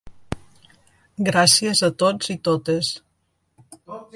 Gràcies a tots i totes.